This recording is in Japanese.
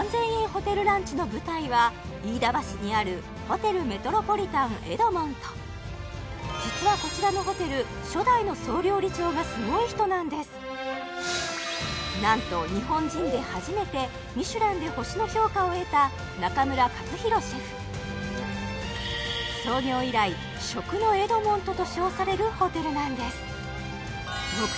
ホテルランチの舞台は飯田橋にあるホテルメトロポリタンエドモント実はこちらのホテルなんと日本人で初めてミシュランで星の評価を得た中村勝宏シェフ創業以来食のエドモントと称されるホテルなんですわっ